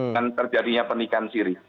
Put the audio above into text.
dan terjadinya pernikahan siri